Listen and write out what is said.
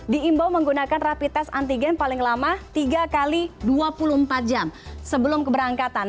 diimbau menggunakan rapi tes antigen paling lama tiga x dua puluh empat jam sebelum keberangkatan